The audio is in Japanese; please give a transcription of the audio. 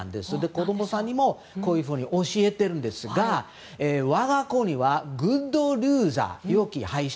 子供さんにも教えているんですが我が子にはグッドルーザー良き敗者